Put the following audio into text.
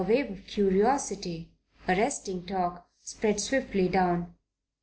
A wave of curiosity, arresting talk, spread swiftly down.